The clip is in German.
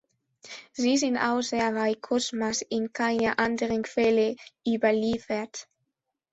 Sie sind außer bei Cosmas in keiner anderen Quelle überliefert.